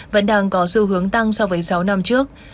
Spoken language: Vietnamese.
vẫn đang có xu hướng tăng so với sáu năm trước